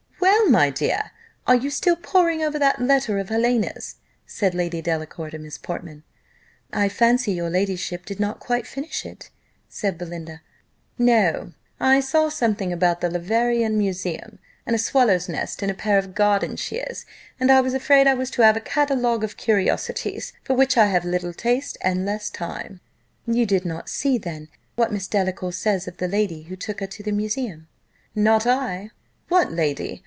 "Well, my dear, are you still poring over that letter of Helena's?" said Lady Delacour to Miss Portman. "I fancy your ladyship did not quite finish it," said Belinda. "No; I saw something about the Leverian Museum, and a swallow's nest in a pair of garden shears; and I was afraid I was to have a catalogue of curiosities, for which I have little taste and less time." "You did not see, then, what Miss Delacour says of the lady who took her to that Museum?" "Not I. What lady?